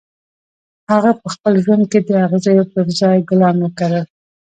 هغه په خپل ژوند کې د اغزیو پر ځای ګلان وکرل